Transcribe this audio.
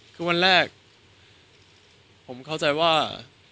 คือวันแรกผมเข้าใจว่า